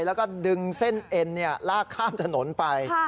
แล้วก็ดึงเส้นเอ็นลากข้ามถนนไป